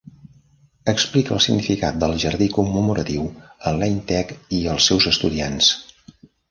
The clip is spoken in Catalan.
Explica el significat del Jardí Commemoratiu a Lane Tech i els seus estudiants.